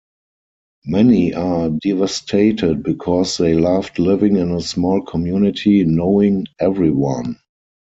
Many are devastated because they loved living in a small community, knowing everyone.